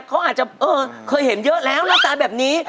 เขาอาจจะเคยเห็นเยอะแล้วหน้าตาแบบนี้